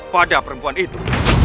pada perempuan itu